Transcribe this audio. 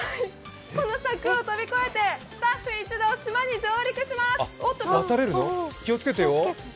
この柵を跳び越えて、スタッフ一同、島に上陸します。